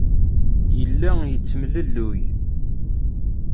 Yella yettemlelluy.